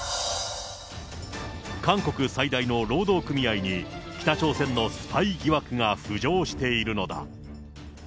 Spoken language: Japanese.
韓国最大の労働組合に北朝鮮のスパイ疑惑が浮上しているのだ。